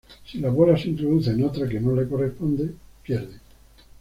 Si la bola se introduce en otra que no le corresponda, pierde.